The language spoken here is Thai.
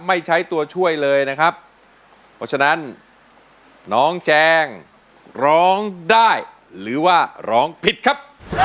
ใช้ตัวช่วยเลยนะครับเพราะฉะนั้นน้องแจงร้องได้หรือว่าร้องผิดครับ